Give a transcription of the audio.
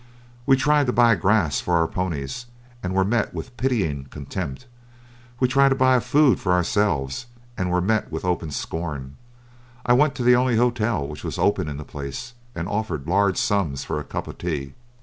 We tried to buy grass for our ponies, and were met with pitying contempt; we tried to buy food for ourselves, and were met with open scorn. I went to the only hotel which was open in the place, and offered large sums for a cup of tea.